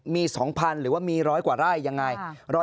มี๒๐๐๐หรือว่ามี๑๐๐กว่าไร่ยังไง